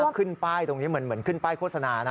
แล้วขึ้นป้ายตรงนี้เหมือนขึ้นป้ายโฆษณานะ